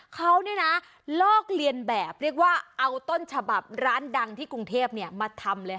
เขาเนี่ยนะลอกเลียนแบบเรียกว่าเอาต้นฉบับร้านดังที่กรุงเทพมาทำเลย